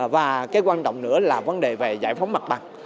và cái quan trọng nữa là vấn đề về giải phóng mặt bằng